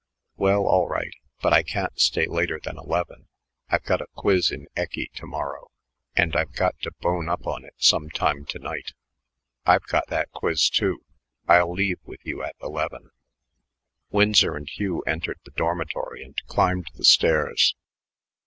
"Well, all right, but I can't stay later than eleven. I've got a quiz in eccy to morrow, and I've got to bone up on it some time to night." "I've got that quiz, too. I'll leave with you at eleven." Winsor and Hugh entered the dormitory and climbed the stairs.